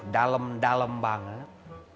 dalem dalem banget